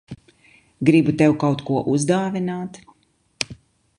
Gribu tev kaut ko uzdāvināt.